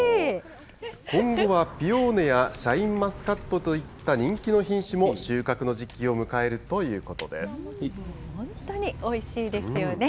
今後はピオーネや、シャインマスカットといった人気の品種も収穫の時期を迎えるとい本当においしいですよね。